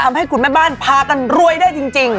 ทำให้คุณแม่บ้านพากันรวยได้จริง